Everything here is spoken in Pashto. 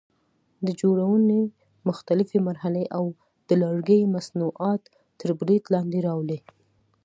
د جوړونې مختلفې مرحلې او د لرګي مصنوعات تر برید لاندې راولي.